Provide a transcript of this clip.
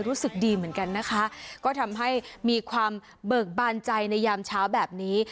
รู้สึกดีเหมือนกันนะคะก็ทำให้มีความเบิกบานใจในยามเช้าแบบนี้